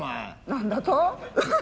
何だと！